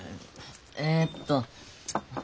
えっと。